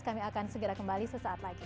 kami akan segera kembali sesaat lagi